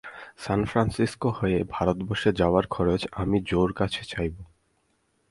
সান Francisco হয়ে ভারতবর্ষে যাবার খরচ আমি জো-র কাছে চাইব।